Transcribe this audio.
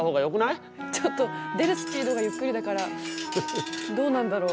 ちょっと出るスピードがゆっくりだからどうなんだろう。